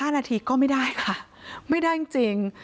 ๕นาทีก็ไม่ได้ค่ะไม่ได้จริง